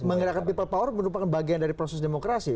menggerakkan people power merupakan bagian dari proses demokrasi